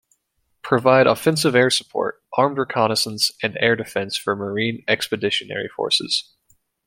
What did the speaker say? Provide offensive air support, armed reconnaissance, and air defense for Marine expeditionary forces.